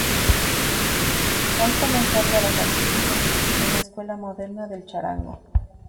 Ahí comenzó a trabajar su libro "en La Escuela Moderna del Charango".